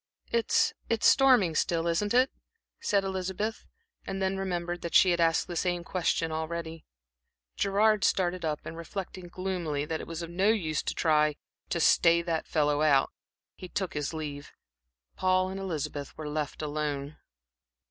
"It it's storming still, isn't it?" said Elizabeth, and then remembered that she had asked the same question already. Gerard started up and reflecting gloomily that it was of no use to try to "stay that fellow out," he took his leave. Paul and Elizabeth were left alone.